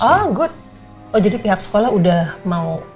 oh good oh jadi pihak sekolah udah mau